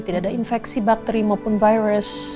tidak ada infeksi bakteri maupun virus